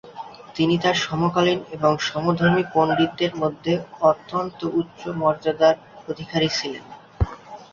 তিনি তার সমকালীন এবং সমধর্মীয় পন্ডিতদের মধ্যে অত্যন্ত উচ্চ মর্যাদার অধিকারী ছিলেন।